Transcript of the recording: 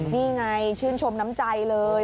นี่ไงชื่นชมน้ำใจเลย